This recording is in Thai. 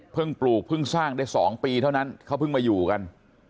ปลูกเพิ่งสร้างได้๒ปีเท่านั้นเขาเพิ่งมาอยู่กัน